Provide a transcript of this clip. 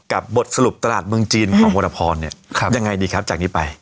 บทสรุปตลาดเมืองจีนของวรพรเนี่ยยังไงดีครับจากนี้ไป